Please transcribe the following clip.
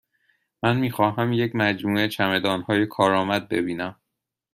من می خواهم یک مجموعه چمدانهای کارآمد ببینم.